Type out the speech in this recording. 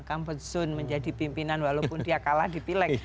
kampusun menjadi pimpinan walaupun dia kalah di pileg